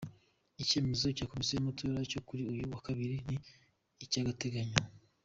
Icyemezo cya Komisiyo y'Amatora cyo kuri uyu wa Kabiri ni icy'agateganyo.